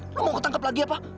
lo mau ketangkep lagi apa